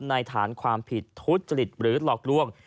ฐานความผิดทุจริตหรือหลอกล่วง